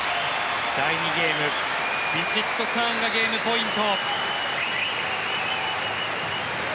第２ゲームヴィチットサーンがゲームポイント。